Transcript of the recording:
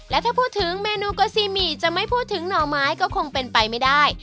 และถ้าพูดถึงเมนูโกซีหมี่จะไม่พูดถึงหน่อไม้ก็คงเป็นไปไม่ได้